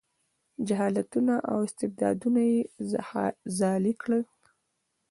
جهالتونو او استبدادونو یې ځالې کړي.